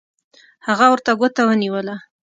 هغه ورته ګوته ونیوله